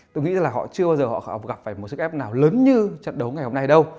tôi nghĩ là họ chưa bao giờ họ gặp phải một sức ép nào lớn như trận đấu ngày hôm nay đâu